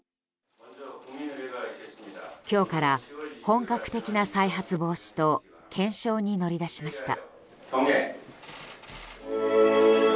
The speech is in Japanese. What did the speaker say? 今日から本格的な再発防止と検証に乗り出しました。